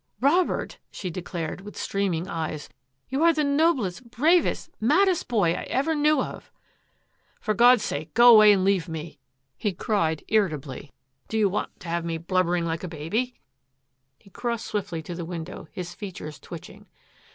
Robert," she declared, with streaming eyes, " you are the noblest, bravest, maddest boy I ever knew of !"" For God's sake, go away and leave me !" he cried irritably. " Do you want to have me blub bering like a baby? '' He crossed swiftly to the window, his features twitching.